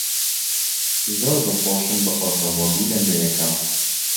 زۆر دڵخۆشم بە ئۆتۆمۆبیلە نوێیەکەم.